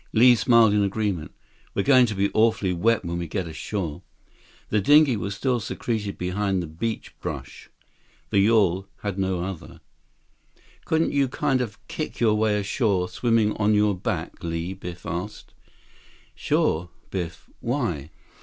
Li smiled in agreement. "We're going to be awfully wet when we get ashore." 131 The dinghy was still secreted behind beach brush. The yawl had no other. "Couldn't you kind of kick your way ashore, swimming on your back, Li?" Biff asked. "Sure, Biff. Why?"